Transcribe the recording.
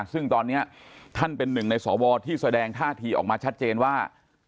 ซึ่งตอนนี้ท่านเป็นหนึ่งในสวที่แสดงท่าทีออกมาชัดเจนว่า